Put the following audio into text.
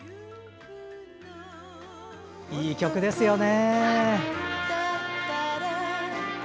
いい曲ですよね。